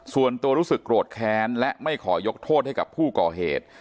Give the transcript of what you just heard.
ส่วนตัวรู้สึกโกรธแค้นและไม่ขอยกโทษให้กับผู้ก่อเหตุ